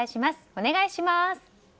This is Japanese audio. お願いします。